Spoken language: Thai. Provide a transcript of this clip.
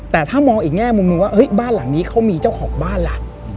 แต่ถ้ามองอีกแง่มุมหนึ่งว่าบ้านหลังนี้เขามีเจ้าของบ้านล่ะ